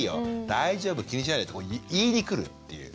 大丈夫気にしないで」って言いに来るっていう。